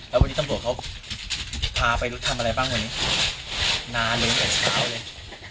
แล้ววันนี้ต้องบอกเค้าพาไปเอาทำอะไรบ้างวันนี้นานเลยแน่ไปสาวเลย